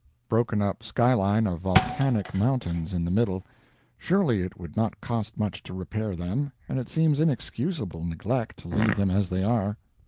Broken up sky line of volcanic mountains in the middle. Surely it would not cost much to repair them, and it seems inexcusable neglect to leave them as they are.